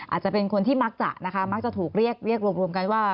อาจจะเป็นคนที่มักจะนะคะมักจะถูกเรียกรวมกันว่า